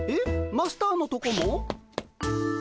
マスターのとこも？